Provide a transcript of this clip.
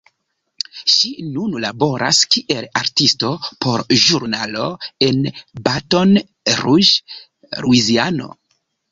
Ŝi nun laboras kiel artisto por ĵurnalo en Baton Rouge, Luiziano.